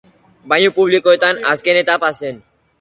Bainu publikoetako azken etapa zen.